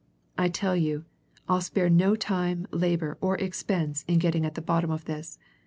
I tell you, I'll spare no time, labour, or expense in getting at the bottom of this!